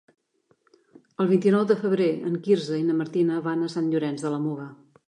El vint-i-nou de febrer en Quirze i na Martina van a Sant Llorenç de la Muga.